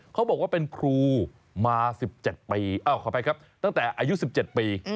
เขาบอกว่าเป็นครูมาตั้งแต่อายุ๑๗ปี